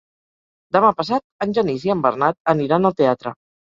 Demà passat en Genís i en Bernat aniran al teatre.